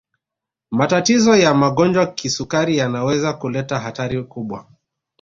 matatizo ya magonjwa kisukari yanaweza kuleta hatari kubwa